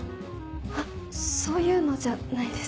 あそういうのじゃないです。